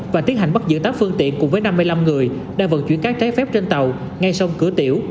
và tiến hành bắt giữ tám phương tiện cùng với năm mươi năm người đang vận chuyển các trái phép trên tàu ngay sông cửa tiểu